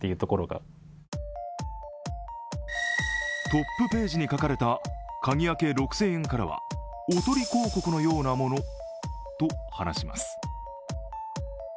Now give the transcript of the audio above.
トップページに書かれた「鍵開け６０００円」はおとり広告のようなものと話します。